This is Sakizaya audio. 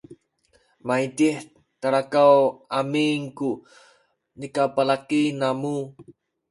maydih talakaw amin ku nikabalaki namu